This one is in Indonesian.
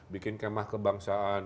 bikin kemah kebangsaan